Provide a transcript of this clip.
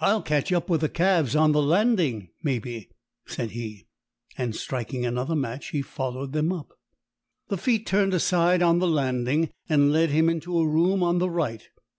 "I'll catch up with the calves on the landing, maybe," said he; and, striking another match, he followed them up. The feet turned aside on the landing and led him into a room on the right.